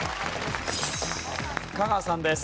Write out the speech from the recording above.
香川さんです。